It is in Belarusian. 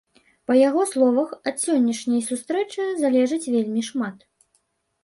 Па яго словах, ад сённяшняй сустрэчы залежыць вельмі шмат.